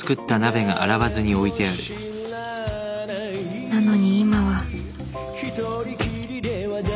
なのに今は